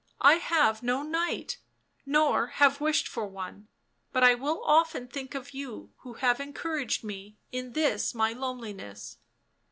I have no knight, nor have wished for one — but I will often think of you who have encouraged me in this my loneliness."